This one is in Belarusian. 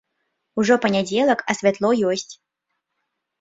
Ужо панядзелак, а святло ёсць.